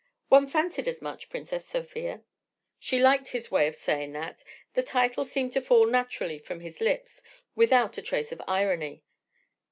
"One fancied as much, Princess Sofia." She liked his way of saying that; the title seemed to fall naturally from his lips, without a trace of irony.